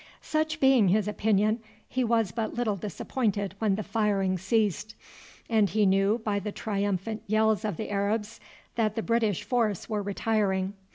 Such being his opinion, he was but little disappointed when the firing ceased, and he knew by the triumphant yells of the Arabs that the British force were retiring.